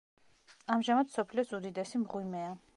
ამჟამად მსოფლიოს უდიდესი მღვიმეა.